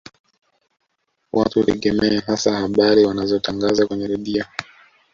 Watu hutegemea hasa habari wanazotangaza kwenye redio